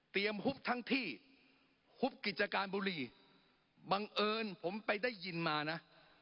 ฮุบทั้งที่ฮุบกิจการบุรีบังเอิญผมไปได้ยินมานะ